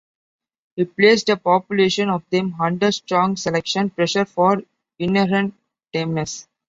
He placed a population of them under strong selection pressure for inherent tameness.